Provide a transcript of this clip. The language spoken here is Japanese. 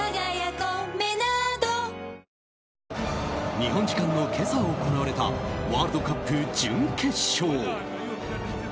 日本時間の今朝行われたワールドカップ準決勝。